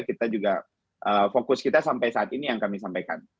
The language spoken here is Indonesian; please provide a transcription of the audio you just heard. kita juga fokus kita sampai saat ini yang kami sampaikan